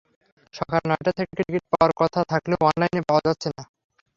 সকাল নয়টা থেকে টিকিট পাওয়ার কথা থাকলেও অনলাইনে পাওয়া যাচ্ছে না।